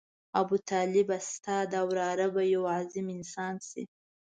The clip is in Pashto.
ابوطالبه ستا دا وراره به یو عظیم انسان شي.